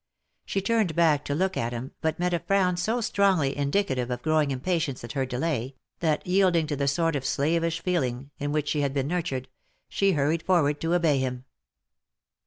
She turned back to look at him, but met a frown so strongly indicative of growing impatience at her delay, that yielding to the sort of slavish feeling in which she had been nurtured, she hurried forward to obey him.